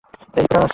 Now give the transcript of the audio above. এই, পোরাস!